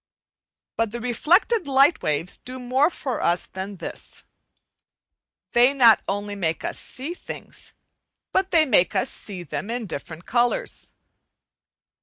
But the reflected light waves do more for us than this. They not only make us see things, but they make us see them in different colours.